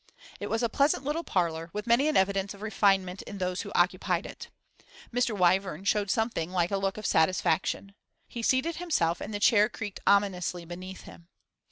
It was a pleasant little parlour, with many an evidence of refinement in those who occupied it. Mr. Wyvern showed something like a look of satisfaction. He seated himself, and the chair creaked ominously beneath him.